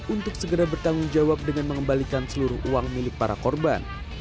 untuk segera bertanggung jawab dengan mengembalikan seluruh uang milik para korban